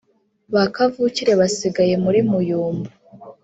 Ba kavukire basigaye muri Muyumbu